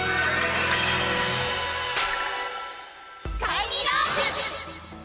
スカイミラージュ！